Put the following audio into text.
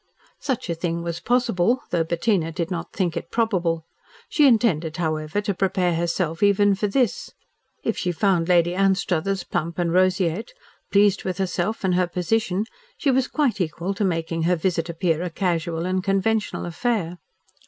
Such a thing was possible, though Bettina did not think it probable. She intended, however, to prepare herself even for this. If she found Lady Anstruthers plump and roseate, pleased with herself and her position, she was quite equal to making her visit appear a casual and conventional affair.